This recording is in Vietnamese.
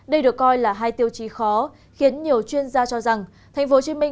đây được coi là hai tiêu chí khó khiến nhiều chuyên gia cho rằng tp hcm